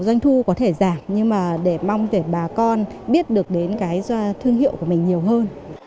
doanh thu có thể giảm nhưng mà để mong để bà con biết được đến cái thương hiệu của mình nhiều hơn